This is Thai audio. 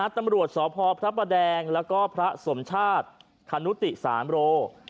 ตำรวจสพพระประแดงแล้วก็พระสมชาติคณุติสามโร